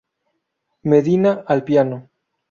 Medina al piano.